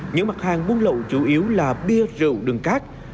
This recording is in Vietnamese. những mặt hàng buôn lậu chủ yếu là bia rượu đường cát